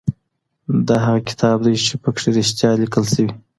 دا هغه کتاب دی چي په کي رښتیا لیکل سوي.